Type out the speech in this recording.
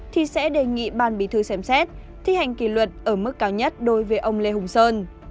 thì sẽ đề nghị ban bí thư xem xét thi hành kỷ luật ở mức cao nhất đối với ông lê hùng sơn